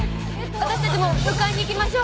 私たちも迎えに行きましょう。